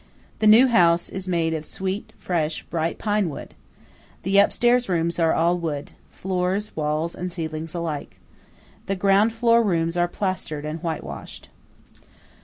The new house is made of sweet, fresh, bright pine wood. The upstairs rooms are all wood–floors, walls, and ceilings alike. The ground floor rooms are plastered and whitewashed.